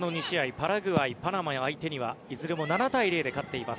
パラグアイ、パナマ相手にはいずれも７対０で勝っています